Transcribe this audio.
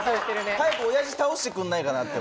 早く親父倒してくれないかなって。